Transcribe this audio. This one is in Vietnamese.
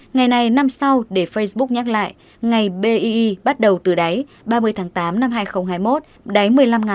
ngày nay năm sau để facebook nhắc lại ngày bei bắt đầu từ đáy ba mươi tháng tám năm hai nghìn hai mươi một đáy một mươi năm một trăm linh